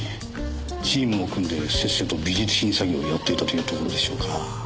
チームを組んでせっせと美術品詐欺をやっていたというところでしょうか。